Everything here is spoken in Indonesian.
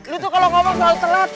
lo tuh kalau ngomong kalau telat